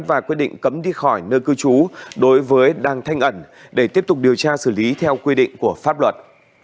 và quyết định cấm đi khỏi nơi cư trú đối với đang thanh ẩn để tiếp tục điều tra xử lý theo quy định của pháp luật